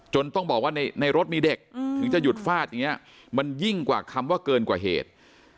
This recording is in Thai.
ต้องบอกว่าในรถมีเด็กถึงจะหยุดฟาดอย่างนี้มันยิ่งกว่าคำว่าเกินกว่าเหตุ